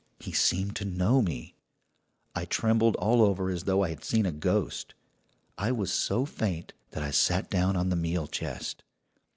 He seemed to know me. "I trembled all over as though I had seen a ghost. I was so faint that I sat down on the meal chest.